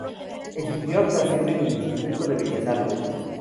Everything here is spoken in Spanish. Estudió actuación en el Instituto de Bellas Artes.